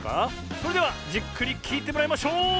それではじっくりきいてもらいましょう！